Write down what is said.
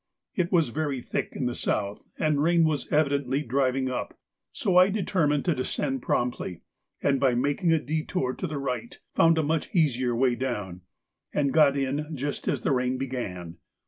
It was very thick in the south, and rain was evidently driving up, so I determined to descend promptly, and, by making a detour to the right, found a much easier way down, and got in just as the rain began.